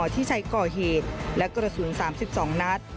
ที่ใช้ก่อเหตุและกระสุน๓๒นัด